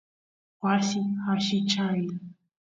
wasi allichay